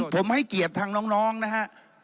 ผมให้เกียรติทางน้องนะฮะ